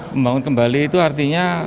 membangun kembali itu artinya